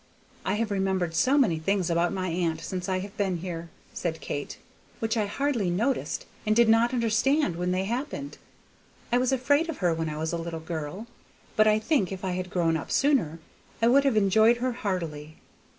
I have remembered so many things about my aunt since I have been here," said Kate, "which I hardly noticed and did not understand when they happened. I was afraid of her when I was a little girl, but I think if I had grown up sooner, I should have enjoyed her heartily.